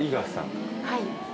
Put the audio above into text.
はい。